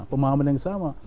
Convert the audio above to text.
pemahaman yang sama